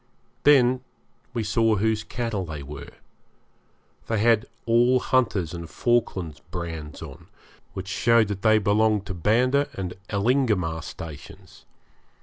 Then we saw whose cattle they were; they had all Hunter's and Falkland's brands on, which showed that they belonged to Banda and Elingamah stations.